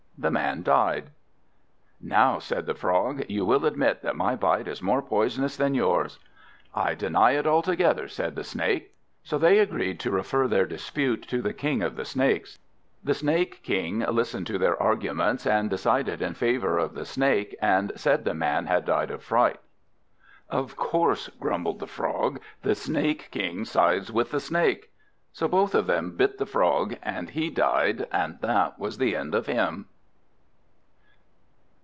The Man died. "Now," said the Frog, "you will admit that my bite is more poisonous than yours." "I deny it altogether," said the Snake. So they agreed to refer their dispute to the King of the Snakes. The Snake King listened to their arguments, and decided in favour of the Snake, and said the Man had died of fright. "Of course," grumbled the Frog, "the Snake King sides with the Snake." So both of them bit the Frog, and he died, and that was the end of him.